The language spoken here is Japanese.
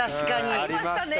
ありましたよね。